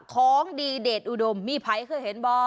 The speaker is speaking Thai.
ของดีเดชอุดมมีภัยเคยเห็นบ่